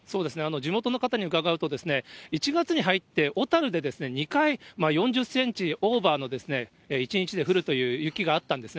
地元の方に伺うと、１月に入って、小樽で２回、４０センチオーバーの、１日で降るという雪があったんですね。